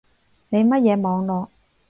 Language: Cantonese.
你乜嘢網路